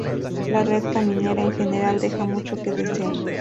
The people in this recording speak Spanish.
La red caminera, en general, deja mucho que desear.